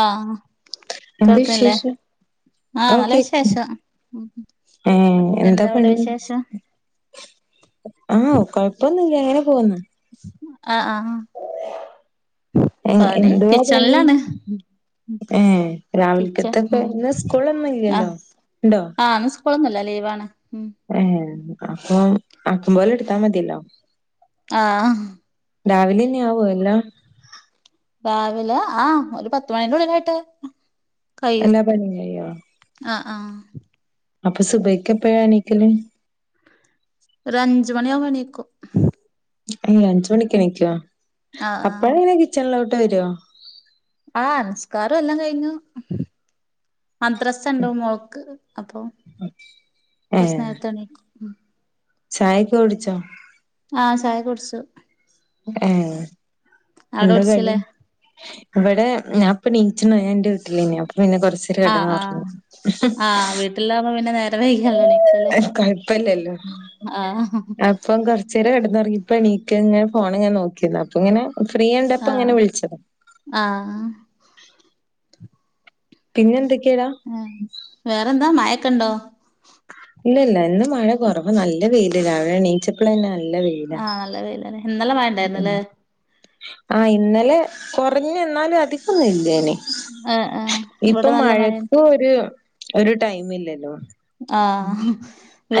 ആഹ് എന്താ കേൾക്കണില്ലേ വിശേഷം ഓ ആഹ് നല്ല കേക്ക് വിശേഷം ഉം ഏ എന്താ അവിടെ പണി വിശേഷം ആഹ് കൊയപ്പോന്നൂല്ല്യ അങ്ങനെ പോകുന്ന അ അഹ് ഏഹ് പണി എന്തുവാ പണി? കിച്ചൺലാണ് മ് ഏഹ് കിച്ച രാവിൽക്കത്തൊക്കെ ഉം ഇന്ന് സ്കൂളൊന്നും ആ ഇല്ലല്ലോ. ഇണ്ടോ? ആഹ് ഇന്ന് സ്കൂളൊന്നുംല്ല ലീവാണ് മ് അപ്പോം ആക്കംമ്പോലെ ഇടുത്താ മതിലൊ ആഹ് രാവിലെന്ന്യ ആവോ എല്ലാം രാവിലെ ആഹ് ഒരു പത്തുമണീന്റെ ഉള്ളിലായിട്ട് എല്ലാപണിംകയ്യോ ആ അപ്പൊ സുബയ്‌ക്കെപ്പയ എണീക്കല് ക്കോ ഏ അഞ്ച് മണിക്ക് എണിക്കുവ ആഹ് അപ്പഴ ങ്ങനെ കിച്ചണിലോട്ട് വരോ ആഹ നിസ്കാരോം എല്ലാം കഴിഞ്ഞു മദ്രസണ്ടാവും മോള്ക്ക് അപ്പൊ കൊറച്ച് നേരത്തേണീക്കും ചായക്കൊടിച്ചോ ആഹ് ചായ കുടിച്ചു ഏ അവിടെ എന്ത കടി കുടിച്ചില്ലേ ഇവിടെ ഞാനിപ്പോ നീചന് ഞാൺ എന്റെ വീട്ടിലേർന്ന് പിന്നെ കൊറച്ചേരം ആഹ് ആഹ് എടന്നൊറങ്ങി ആഹ് വീട്ടിലാവുമ്പോ പിന്നെ നേരം വൈകിയല്ലോ എണീക്കല് കൊഴപ്പല്ലല്ലോ ആഹ് അപ്പോം കൊറച്ചേരം എടന്നൊറങ്ങി ഇപ്പണീക്കാ ഇങ്ങനെ ഫോണ് ങ്ങനെ നോക്കിയ അപ്പൊ ഇങ്ങനെ ഫ്രീ ണ്ടപ്പോ ആഹ് ഇങ്ങനെ വിളിച്ചതാ ആഹ് പിന്നെ എന്തൊ ഹ് വേറെന്താ മഴക്കണ്ടോ ഇല്ല ഇല്ല ഇന്ന് മഴ കൊറവ് നല്ല വെയില് രാവിലെ എണീച്ചപ്ലന്നെ ആഹ് നല്ല വെയിലന്നെ ഇന്നലെ മഴ ണ്ടാർന്നില്ലേ ആ ഇന്നലെ കോറഞ്ഞ ന്നാലും അധിക്കൊന്നുൽ ങ്ങനെ ആഹ് ആഹ് ഇപ്പൊ ഇവിടെ നല്ല മഴ മഴക്ക് ഒരു ഒരു ടൈം ഇല്ലല്ലോ ആഹ്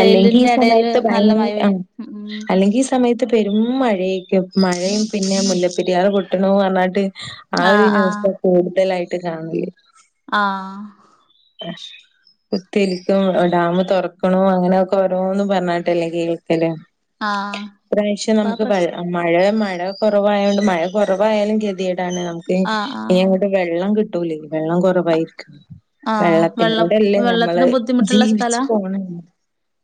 അല്ലെങ്കി ഈ എടേല് സമയത്ത് ഭയ നല്ല മഴ പെയ്യും ആഹ് ഉം അല്ലെങ്കി ഈ സമയ പേരും മഴയേക്ക് മഴയും പിന്നെ മുല്ലപ്പെരിയാറ് പൊട്ടണതും പറ ആ ഒരു ആഹ് ആഹ് ന്യൂസ് കൂടുതലായിട്ട് കാണല് ആഹ് ഹ് കുത്തിരിക്കും ഡാം തുറക്കണോ അങ്ങനെയൊക്കെ ഓരോന്ന് പറഞ്ഞാട്ടല്ലേ കേൾക്കല് ആഹ് ഇപ്രാവ്ശ്യം ഇപ്പാ നമ്മുക്ക് മഴ പ്രശ് മഴ മഴ കുറവായണ്ട് മഴ കൊറവായാലും കെത്യേടാണ് നമുക്ക് ആഹ് ആഹ് ഇനി അങ്ങോട്ട് വെള്ളം കിട്ടൂലെ ലെ വെള്ളം കൊറവായിരിക്കും ആഹ് വെള്ളം വെള്ളത്തിനോട്ല്ലേ നമ്മള് വെള്ളത്തിന് ബുദ്ധിമുട്ടുള്ള ജീവിച്ചു സ്ഥലാ പോണെ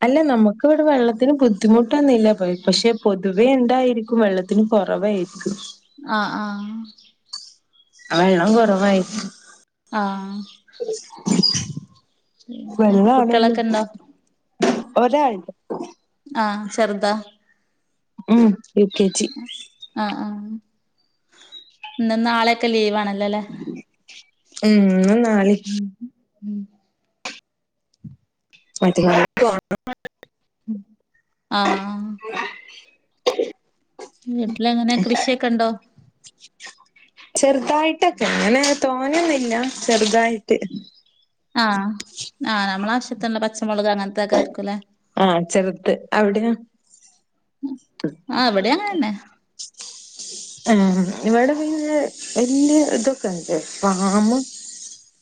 അല്ല നമുക്ക് ഇവടെ വെള്ളത്തിന് ബുദ്ധിമുട്ടൊന്നില്ല പോയി പക്ഷെ പൊതുവെ ഇണ്ടായിരിക്കും വെള്ളത്തിന് കൊറവേയ്ക്കും ആഹ് ആഹ് ആഹ് ള്ളം കൊറവായിരിക്കും ആഹ് പിന്നെ വെള്ളം ആണെങ്കി കുട്ടികളൊക്കെ ഇണ്ടോ ഒരാള്ണ്ട് ആഹ് ചെറുതൊ ഉം യു കെ ജി അഹ് ആഹ് ഇന്നും നാളെക്കെ ലീവ് ആണല്- ഉം ഇന്നും നാളി ഉം ഉം മാറ്റനാളെക്ക് ഓട്ട് പോകാനുള്ള ആ [inaudible] വീട്ടില് എങ്ങനെ കൃഷിയൊക്കെ ഉണ്ടോ ചെറുതായിട്ടൊക്കെ അങ്ങനെ തോനെന്നില്ല ചെറുതായിട്ട് ആ ആ നമ്മള് ആവശ്യത്തിനുള്ള പച്ചമുളക് അങ്ങനത്തക്കെ ആരിക്കുംല്ലേ ആ ചെറുത് അവിടെയ ആ ഇവിടെ അങ്ങന്നെ തന്നെ [inaudible] ആ ഇവിടെ പിന്നെ വല്യ ഇതൊക്കെണ്ട് ഫാമും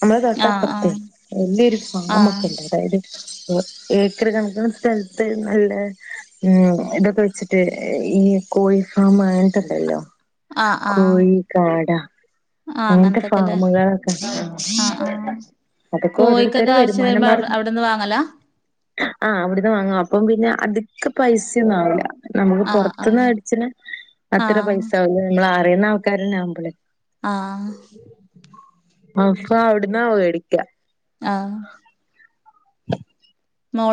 നമ്മള് ആഹ് തൊട്ടപ്പറത്തേ ആഹ് വലിയ ഒരു ഫാമ് ആഹ് ഒക്കെ ഉണ്ട് അവിടെ ഏക്കർ കണക്കന് സ്ഥലത്ത് നല്ല ഉം ഇതൊക്കെ വെച്ചിട്ട് ഈ കോഴി ഫാം ആ ഉണ്ടല്ലോ ആഹ് ആഹ് കോഴിക്കാട ആഹ് അങ്ങനത്തെ അങ്ങനത്തൊക്കെല്ലേ ഫാമുകളൊക്ക ആ ആഹ് ആഹ് അതൊക്കെ കോഴിക്കൊക്കെ ഓരോരുത്തരുടെ ആവശ്യം വരുമാന വരുമ്പോ അവി മാർഗ അവിടുന്ന് വാങ്ങലാ ആ അവിടന്ന് വാങ്ങും അപ്പം പിന്നെ അടുത്ത് പൈസ ഒന്നും ആവില്ല നമുക്ക് ആഹ് പുറത്തന്ന് ആഹ് മേടിച്ചന് അത്ര ആഹ് പൈസ ആവും നമ്മൾ അറിയുന്ന ആൾക്കാരന്നെ ആവുമ്പളെ ആ അപ്പൊ അവിടന്ന മേടിക്ക ആ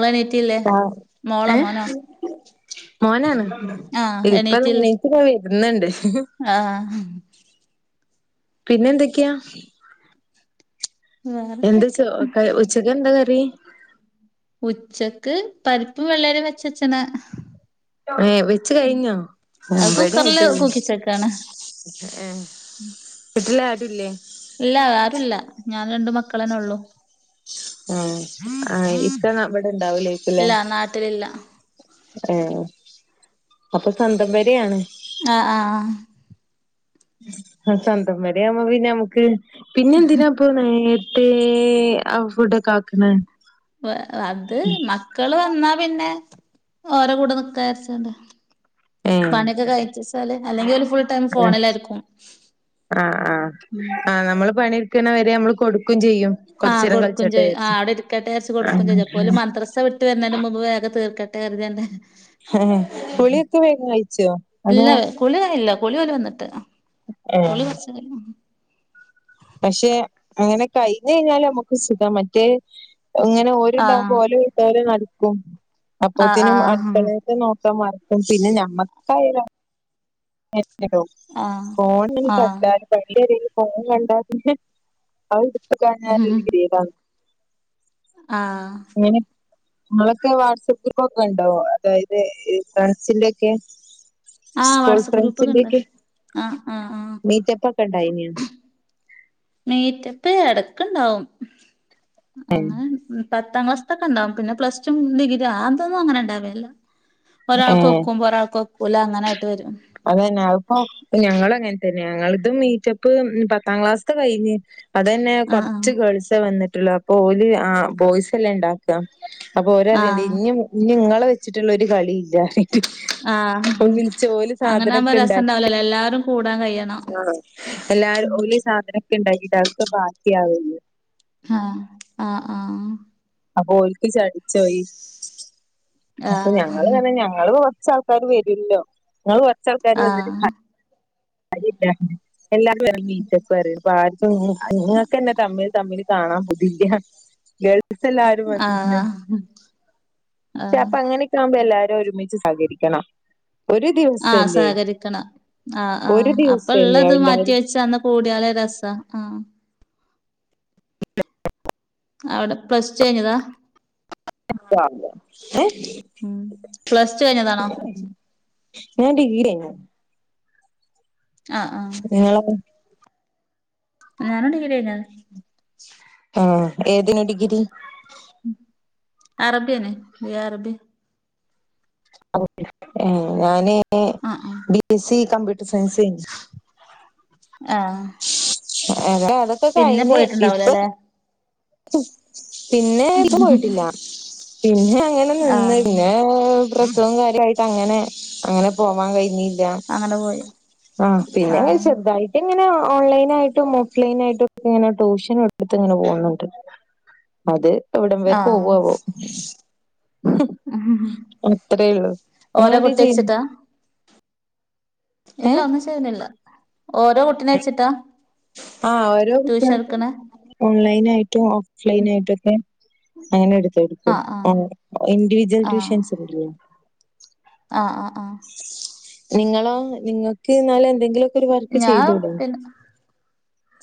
എണിറ്റ ആ ഏ മോനാണ് ഉം ഇപ്പം നിക്ക് വരുന്നുണ്ട് ആ പിന്നെ എന്തൊക്കെയാ എന്ത് വേറെന്തൊക്കെ ചോ ക ഉച്ചക്ക് എന്താ കറി ഉച്ചക്ക് പരിപ്പ് വെള്ളരി വച്ചച്ചന ഏ വെച്ച് കഴിഞ്ഞോ അത് ഒമ്പതര കുക്കറില് ആയിട്ടേ ഉള്ളു കൂക്കിച്ചക്കാണ് ഏ വിട്ടില്ല രണ്ടു മക്കളന്നെ ഉള്ളൂ ആ ആ ഇക്ക അവിടെ ഉണ്ടാവും ഇപ്പില്ലെ ഇല്ല നാട്ടിലില്ല ആ അപ്പൊ സന്തം പെരയാണ് ആ ആ ആ ആ സ്വന്തം പെരയാകുമ്പോ പിന്നെ ഞമ്മക്ക് പിന്നെന്തിനാപ്പം നേ ഏ അവുടെ കാക്കണ [unintelligible] അത് മക്കള് വന്നാൽ പിന്നെ ഓരെകൂടെ നിക്കാവിചാരിച്ചണ്ടാ ഏഹ് പണിയൊക്കെ കഴിച്ച്വച്ചാല് അല്ലെങ്കിൽ ഓല് ഫുൾടൈം ഫോണിലായിരിക്കും ആ-ആ ഉം ആ നമ്മള് പണിയെടുക്കണവരെ നമ്മള് കൊടുക്കയും ചെയ്യും ആഹ് കൊറച്ചേരം കളിച്ചോട്ടെ കൊടുക്കുംചെയ്യും ആ വിചാരിച്ച് അവിടെരിക്കട്ടെ വിചാരിച്ച് ആഹ് കൊടുക്കുംചെയ്യും അപ്പോര് മദ്രസ്സ വിട്ട് വരുന്നതിന് മുമ്പ് വേഗം തീർക്കട്ടെ കരുതിയാണ്ട് ഹെ-ഹേ വിളിയൊക്കെ വേഗം കയിച്ചോ അതോ കുളിയോര് വന്നിട്ട് ഏഹ് കുളി കുറച്ച്നേരം പക്ഷെ അങ്ങനെ കഴിഞ്ഞ്കഴിഞ്ഞാൽ നമുക്ക് സുഖാ മറ്റേ അങ്ങനെ ആഹ് ഓര്ണ്ടാവുമ്പോ ഓല് വീട്ട്കാര്യം നടക്കും അപ്പത്തിനും ആഹ് അടുക്കളയക്കെന്നോ ഇക്ക മറക്കും പിന്നെ ഞമ്മക്കായാലോ ആഹ് ഉം ഫോണിനി ആഹ് കണ്ടാല് ആഹ് വഴിയരികി ഫോൺകണ്ടാപിന്നെ അതെടുത്ത്‌ കഴിഞ്ഞാലൊരു കിരീടാണ് ആഹ് നിങ്ങളൊക്കെ വാട്സപ്പ് ഗ്രൂപ്പൊക്കെണ്ടോ അതായത് ഫ്രണ്ട്സിന്റോക്കെ ആഹ് വാട്സപ്പ് ഗ്രൂപ്പൊക്കെണ്ട് ആ-ആ-ആ മീറ്റപ്പ് ഒക്കെ ഉണ്ടായിനോ മീറ്റപ്പ് ഇടക്കുണ്ടാവും ഏഹ് അങ്ങനെ പത്താം ക്ലാസ്ത്തൊക്കെണ്ടാവും പിന്നെ പ്ലസ് ടും ഡിഗ്രിം ആ അതൊന്നും അങ്ങനെണ്ടാവില്ല ഏഹ് അങ്ങനായിട്ട് വരും അതന്നെ അതിപ്പൊ ഞങ്ങളും അങ്ങനെ തന്നെ ഞങ്ങളിത് മീറ്റപ്പ് പത്താം ക്ലാസ്ത്തെ കഴിഞ്ഞ് അതന്നെ ആഹ് കുറച്ച് ഗേൾസേ വന്നി ട്ടുള്ളെ അപ്പോല് ആ ബോയ്സെല്ലേണ്ടാക്ക അപ്പൊ ഓരറയിണ്ട് ആഹ് ഇന്നി ഇങ്ങളെ വച്ച് വച്ചിട്ടുള്ളൊരു കളിയില്ല പറഞ്ഞിട്ട് ആഹ് ആഹ് ഇപ്പവിളിച്ചോല് അങ്ങനാവുമ്പോ സാധനൊക്കെണ്ടാക്കി രസണ്ടാവൂലല്ലോ എല്ലാരും കൂടാൻ കഴിയണം ആഹ് എല്ലാരും ഓല് സാധനൊക്കെണ്ടാക്കിട്ട് അതെക്കെ ബാക്കിയാവ്ണ്ട് ആഹ് ആഹ്-ആഹ് അപ്പൊ ഓല്ക്ക് ചടിച്ചോയി അപ്പൊ ആഹ് ഞങ്ങള്പറഞ്ഞാ ഞങ്ങള് കൊറച്ചാൾ ക്കാർ വരുല്ലോ ഞങ്ങള് കൊറച്ചാൾക്കാര് വന്നിട്ട് ആഹ് കര്യില്ല എല്ലാവരും ഇറങ്ങി സെസെക്യുറെയ്തു അപ്പാർക്കും നോ ഇങ്ങക്കെന്നെ തമ്മിൽ തമ്മിൽ കാണാൻ പൂതിയില്ല ഗേൾ സെല്ലാരും വരുംന്ന് ആഹ് ആഹ് ചെലപ്പങ്ങനെയെക്കാകുമ്പോ എല്ലാരും ഒരുമിച്ച് സഹകരിക്കണം ഒരു ആഹ് ദിവസല്ലേ സഹകരിക്കണം ഒരു ആഹ്-ആഹ് ദിവസല്ലേ അപ്പൊള്ളത് എല്ലാരും മാറ്റിവെച്ചന്ന് കൂടിയാലെ രസാ ആഹ് അവിടെ പ്സ് ടു കഴിഞ്ഞതാ [inaudible] ഏ ഉം പ്ലസ് ടു കഴിഞ്ഞതാണോ ഞാഡിഗ്രി കയിഞ്ഞു ആഹ്-ആഹ് നിങ്ങളോ ഞാനും ഡിഗ്രി കയിഞ്ഞതാ ആഹ് ഏതിന് ഡിഗ്രി അറബിയെന്നെ ഈ അറബി ഏഹ് ഞാന് ആഹ് ആഹ് B S C computer science കയിഞ്ഞ് ആഹ് അന്റതൊക്കെ പിന്നെ കഴിഞ്ഞ് ഇപ്പൊ പോയിട്ടുണ്ടാവൂലല്ലേ പിന്നെ ഇത്പോയിട്ടില്ല പിന്നെ അങ്ങനെ നിന്ന് ആഹ് പിന്നെ പ്രസവം കാര്യയിട്ട് അങ്ങനെ അങ്ങനെ പോവാൻ കയിഞ്ഞില്ല അങ്ങനെ പോയി ആ പിന്നെ ആഹ് ചെർതായിട്ടിങ്ങന ഓ ഓൺലൈനായിട്ടും ഓഫ്‌ലൈനായിട്ടുക്കെങ്ങനെ ട്യൂഷനെടുത്ത് ഇങ്ങനെ പോകുന്നുണ്ട് അത് എവിടംവരെ ആഹ് പോവാവോ ഹ്മ് അത്രേള്ളു ഓരോ നിങ്ങളെന്തെ കുട്ടി ചെയ്യുന്നെ വെച്ചിട്ടാ ഇല്ല ഏ ഒന്നുംചെയ്യുന്നില്ല ഓരോ കുട്ടിനെച്ചിട്ടാ ആഹ് ഓരോ കുട്ടികൾക്കും ഓൺലൈനയിട്ടും ഓഫ്‌ലൈനായിട്ടും ഒക്കെ അങ്ങനെ എടുക്കും ആഹ് ആഹ് ഇൻിവിജൽ ആഹ് ട്യൂഷൻ സെന്റർൽ ആഹ് ആഹ് ആഹ് നിങ്ങളോ നിങ്ങൾക്ക് എന്നാല് എന്തെങ്കിലൊക്കെ ഒരു വർക്ക് ചെയ്തൂടെ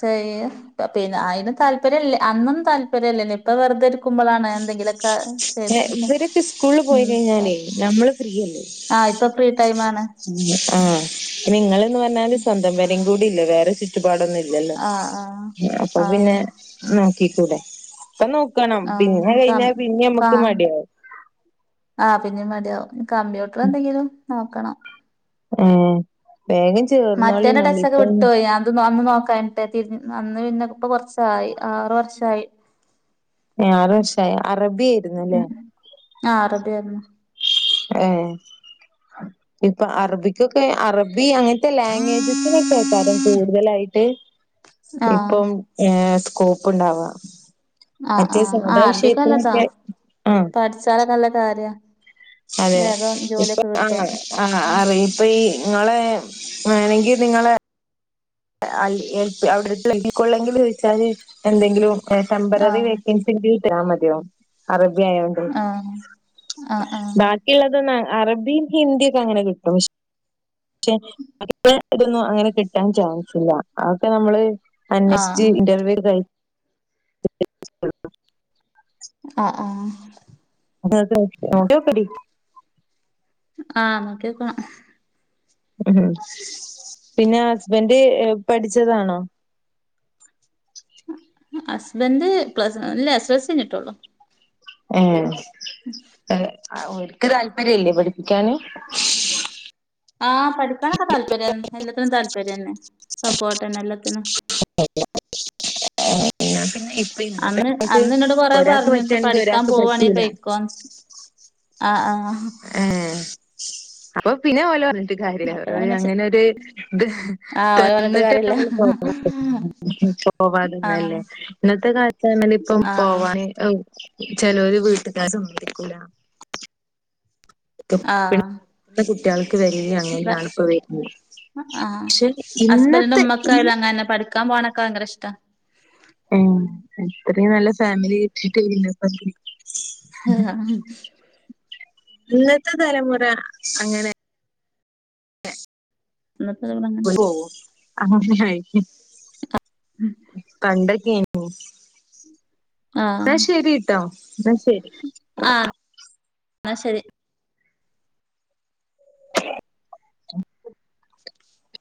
ചെയ്യ് പ്പ പിന്നെ അയിന് താല്പര്യല്ലേ അന്നൊന്നു താല്പര്യ ല്ലേനി പ്പൊ വെർതെര്ക്കുമ്പൊളാണ് എന്തെങ്കിലൊക് ഇവരൊക്കെ സ്കൂൾല് പോയി ഉം കയ്ഞ്ഞാലേ നമ്മള് ഫ്രീയല്ലേ ആഹ് ഇപ്പൊ ഫ്രീ ടൈം ആണ് നിങ്ങള്ന്ന് പറഞ്ഞാല് സ്വന്തം പൊരേ കൂടി ഇല്ല വേറെ ചുറ്റു പാടൊന്നുല്ലല്ലോ ആഹ് ആഹ് അപ്പൊ ആഹ് പിന്നെ നോക്കിക്കൂടെ ഇപ്പം നോക്കണം ആഹ് പിന്നെ ഇൻക്ക് കയ്ഞ്ഞാ പിന്നെ നമ്മക്ക് മടിയവും ആ പിന്നെ മടിയാവും കമ്പ്യൂട്ടറ് എന്തെങ്കിലും നോകണം ഏ മറ്റേന്റെ ടച്ച് ഒക്ക വിട്ടോയൊ അത് നോ ന്ന് നോക്കാൻട്ട തിര് അന്ന് പിന്നെ പ്പ കൊർച്ചായി ആറു വർഷായി ഏ ആറു വഷായൊ അറബി ആയിരുന്നു അല്ലേ ആ അറബിയാര്ന്നു ഏ ഇപ്പൊ അറബിക്കൊക്കെ അറബ് ബി അങ്ങൻത്തെ ലാങ്ങെജസിനൊക്കെകാരം കൂടുതലായിട്ട് ആഹ് ഇപ്പം ഏ സ്കോപ്പ് ഉണ്ടവാ ആഹ് മറ്റെ ആഹ് ആഹ് സാധാ അറബിക്ക് നല്ലതാ വിഷയത്തിനൊക്കെ ആഹ് പഠിച്ചാലൊക്കെ നല്ല കാര്യാ അതെ വേഗം ഇപ്പ ജോലിയൊക്കെ കിട്ടും ആ ആ അറി ഇപ്പൊ ഈ ങ്ങളെ വേണെങ്കി നിങ്ങളെ അ എൽപി അവ്ടെ കൂളെങ്കി വിൾച്ചാൽ എന്തെങ്കിലും ടെമ്പററി ആഹ് വേക്കൻസിങ്കിൽ തെരാൻ മതിയാവും അറ ബ്യായൊണ്ട് ആഹ് ആഹ് ആഹ് ബാക്കിള്ളതൊന്ന അറബിം ഹിന്ദി ക്കെ അങ്ങനെ കിട്ടും കഷ് ക്ഷെ ഇപ്പോ തൊന്നും അങ്ങനെ കിട്ടാൻ ചാൻ ല്ല അഒക്കെ നമ്മള് അന്വേശ്ച്ച് ആഹ് ഇന്റർവ്യൂ കയ് [inaudible] ആ ആ ആ നോക്ക്യോക്ക ഉം പിന്നെ ഹസ്ബൻഡ് പഠിച്ചതാണോ ഹസ്ബൻഡ് പ്ലസ് ല്ല എസ്സൽസി അയ്ഞ്ഞിട്ടോള്ളു ഏ ആ ഒൽക്ക് താല്പര്യല്ലേ പഠിപ്പിക്കാന് ആഹ് പഠിക്കാനൊക്കെ താല്പര്യം എല്ലാത്തിനും താല്പര്യെന്നെ സപ്പോർട്ടെന്നെ എല്ലത്തിനും നാൻ പിന്നെ ഇപ്പ ഇന്നത്തെ അന്ന് കാൽത് അന്ന് ഇന്നോട് കൊറേ ഒരാക്ക് പറഞ്ഞിരുന്നു പറ്റാണെങ്കി പഠിക്കാൻ ഒരാക്ക് പോവാണെ പറ്റൂല പൊയ്ക്കോന്ന് ആഹ് ആഹ് ഏ അപ്പൊ പിന്നെ ഓല ട്ട് കാര്യല്ലല്ലോ അപ്പൊ ഞാൻ അത് പിന്നെ ചെ അങ്ങനൊര് ത് ആഹ് ഓലെ പറഞ്ഞിട്ട് തന്ന്ട്ട് കാര്യല്ല നമ്മള് പൊവാണ്ട ആഹ് പോവാതന്നല്ലേ ന്നത്തെ കാൽത്താണെല് ഇപ്പം ആഹ് പോവാണി എം ചെലോര് വീട്ട്കാര് സമ്മയ്ക്കൂല ക്ക്‌ ആഹ് [unintelligible] കുട്ട്യൾക്ക് വെ [unintelligible] ബ അങ്ങനെയാണ് പ്പൊ വര്ന്നത് ആഹ് ഹസ്ബന്ഡന്റെ ഈ ഉമ്മക്കായാലും അങ്ങനെന്നെ പഠിക്കാൻ പോണൊക്കെ ഭയങ്കര ഇഷ്ട ഏ ഇത്രയും നല്ല ഫാമിലി കിട്ടിട്ടല്ലെ ആ ന്നത്തെ തലമുറ അങ്ങനെ എ ന്നത്തെ ത അ കണ്ടെക്കെക്കൊ ആഹ് എന്ന ശരി ട്ടോ എന്ന ശരി ആ ശരി [unintelligible]